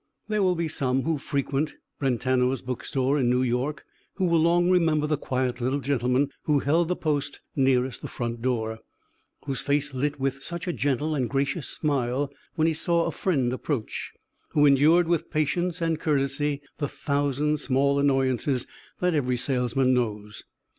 There will be some who frequent Brentano's bookstore in New York who will long remember the quiet little gentleman who held the post nearest the front door, whose face lit with such a gentle and gracious smile when he saw a friend approach, who endured with patience and courtesy the thousand small annoyances that every salesman knows.